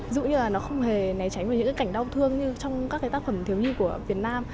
ví dụ như là nó không hề né tránh vào những cái cảnh đau thương như trong các cái tác phẩm thiếu nhi của việt nam